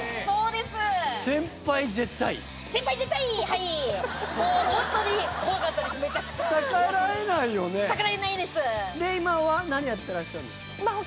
で今は何やってらっしゃるんですか？